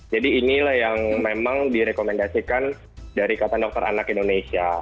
jadi inilah yang memang direkomendasikan dari ikatan dokter anak indonesia